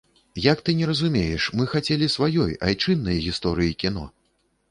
Як ты не разумееш, мы хацелі сваёй, айчыннай гісторыі кіно!